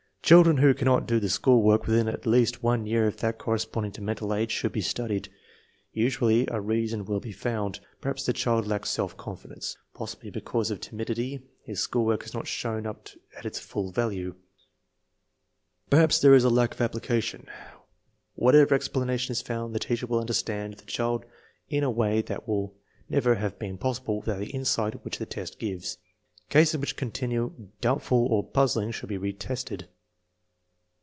Children who cannot do the school work within at least one year of that corresponding to mental age should be studied. Usually a reason will be found. Perhaps the child lacks self confidence. Possibly because of timid ity his school work has not shown up at its full value. THE USE OP MENTAL TESTS 801 Perhaps there has been lack of application. What ever explanation is found, the teacher will understand the child in a way that would never have been possible without the insight which the test gives. Cases which continue doubtful or puzzling should be re tested.